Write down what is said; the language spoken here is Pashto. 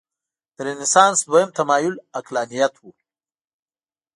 د رنسانس دویم تمایل عقلانیت و.